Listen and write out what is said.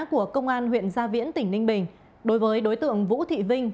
của công an huyện gia viễn tỉnh ninh bình đối với đối tượng vũ thị vinh